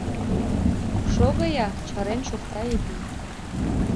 — Шого-я! — чарен шукта Епи.